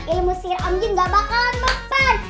ilmu siir om jin gak bakalan beban